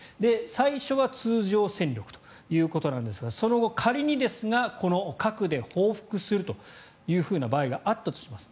最初は通常戦力ということなんですがその後、仮にですが核で報復するという場合があったとします。